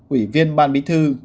ủy viên ban bí thư